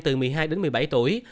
từ một mươi hai đến một mươi bảy tuổi